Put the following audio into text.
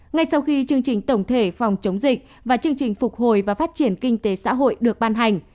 ngay sau khi chương trình tổng thể phòng chống dịch và chương trình phục hồi và phát triển kinh tế xã hội được ban hành